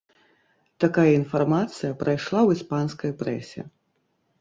Такая інфармацыя прайшла ў іспанскай прэсе.